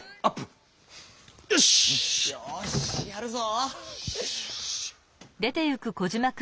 よしやるぞ！